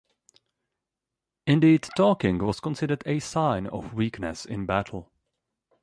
Indeed talking was considered a sign of weakness in battle.